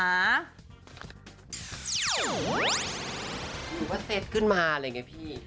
หรือว่าเซตขึ้นมาเลยไงพี่